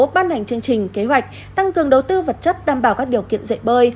ban hành chương trình kế hoạch tăng cường đầu tư vật chất đảm bảo các điều kiện dạy bơi